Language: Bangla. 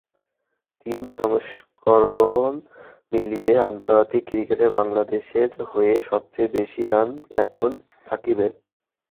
তিন সংস্করণ মিলিয়ে আন্তর্জাতিক ক্রিকেটে বাংলাদেশের হয়ে সবচেয়ে বেশি রান এখন সাকিবের।